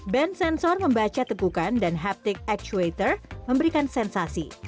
band sensor membaca tegukan dan happtic actuator memberikan sensasi